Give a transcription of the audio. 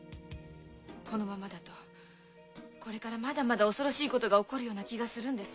このままだとこれからまだまだ恐ろしいことが起こるような気がするんです。